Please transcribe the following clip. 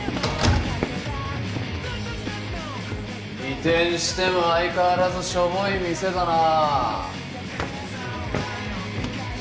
移転しても相変わらずショボい店だな。